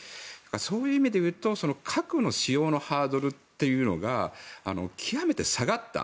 そういう意味で言うと核の使用のハードルというのが極めて下がった。